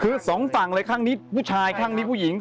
คือสองฝั่งเลยข้างนี้ผู้ชายข้างนี้ผู้หญิง